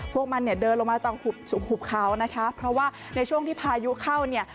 พวกมันเนี่ยเดินลงมาจากหุบเขานะคะเพราะว่าในช่วงที่พายุเข้าเนี่ย